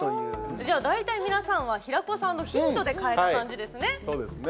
じゃあ大体、皆さんは平子さんのヒントで変えた感じですね。